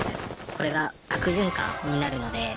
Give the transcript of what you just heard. これが悪循環になるので。